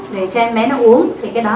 để cho em bé nó uống thì cái đó